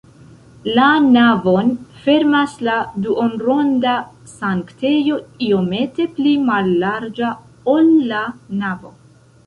La navon fermas la duonronda sanktejo iomete pli mallarĝa, ol la navo.